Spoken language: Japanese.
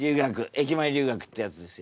駅前留学ってやつですよ。